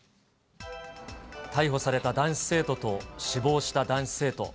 逮捕された男子生徒と死亡した男子生徒。